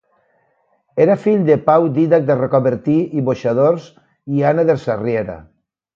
Era fill de Pau Dídac de Rocabertí i Boixadors i Anna de Sarriera.